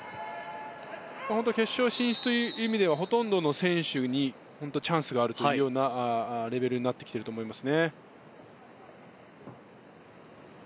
決勝進出という意味ではほとんどの選手にチャンスがあるというレベルになってきていると思います。